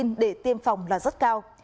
nhưng vắc xin để tiêm phòng là rất cao